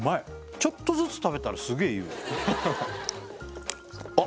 ちょっとずつ食べたらすげえいうあっ